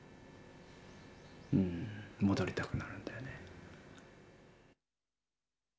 戻りたくなるんだよね。